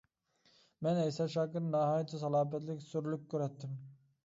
مەن ئەيسا شاكىرنى ناھايىتى سالاپەتلىك، سۈرلۈك كۆرەتتىم.